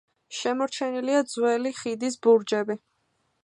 შემორჩენილია ძველი ხიდის ბურჯები.